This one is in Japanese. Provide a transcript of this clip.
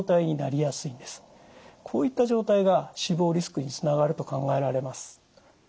こういった状態が死亡リスクにつながると考えられます。